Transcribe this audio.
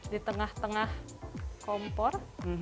di tengah tengah kompor